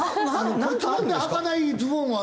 骨盤ではかないズボンはな。